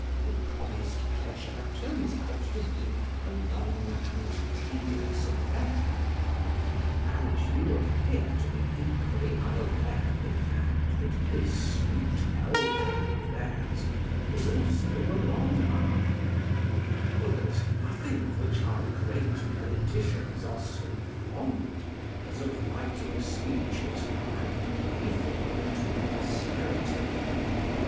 The promised pleasure turns out to be a long and tedious affair.) of the proverb is really the long arm of the Nile. And you appear to be equally unaware of the fact that this sweet elbow of theirs is also a long arm. For there is nothing of which our great politicians are so fond as of writing speeches and bequeathing them to posterity.